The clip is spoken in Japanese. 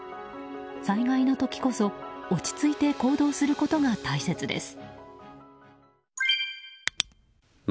災害の時こそ、落ち着いて行動することが大切です。